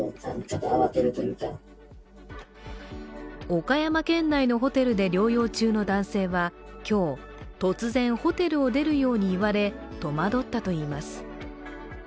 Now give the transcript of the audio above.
岡山県内のホテルで療養中の男性は今日、突然ホテルを出るように言われ戸惑ったといいます。